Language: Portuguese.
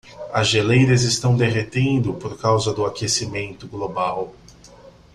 As geleiras estão derretendo por causa do aquecimento global.